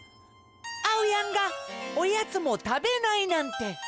あおやんがおやつもたべないなんて。